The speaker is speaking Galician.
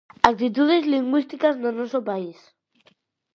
Actitudes lingüísticas no noso paíss.